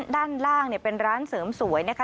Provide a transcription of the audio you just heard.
ด้านล่างเป็นร้านเสริมสวยนะคะ